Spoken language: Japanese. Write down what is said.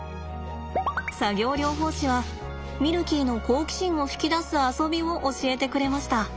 作業療法士はミルキーの好奇心を引き出す遊びを教えてくれました。